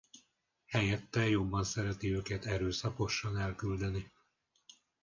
Helyette jobban szereti őket erőszakosan elküldeni.